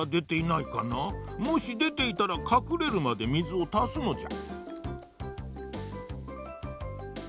もしでていたらかくれるまでみずをたすのじゃ。